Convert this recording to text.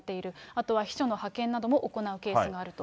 あとは秘書の派遣なども行うケースがあると。